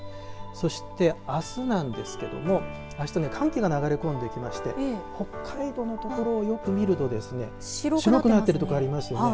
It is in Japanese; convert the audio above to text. そして、あすなんですけどもあした寒気が流れ込んできまして北海道のところをよく見るとですね白くなってるところありますよね。